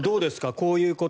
こういうこと。